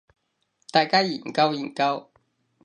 大家研究研究